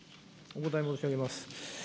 お答え申し上げます。